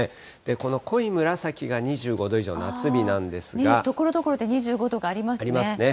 この濃い紫が２５度以上の夏日なところどころで２５度がありありますね。